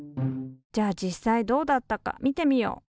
じゃあ実際どうだったか見てみよう。